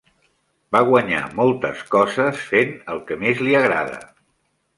Va guanyar moltes coses fent el que més li agrada.